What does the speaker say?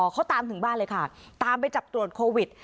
เขาตามถึงบ้านเลยค่ะตามไปจับตรวจโควิด